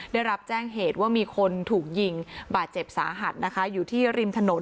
ได้รับแจ้งเหตุว่ามีคนถูกยิงบาดเจ็บสาหัสนะคะอยู่ที่ริมถนน